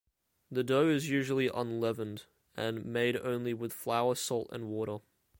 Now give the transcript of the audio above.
The dough is usually unleavened, and made only with flour, salt and water.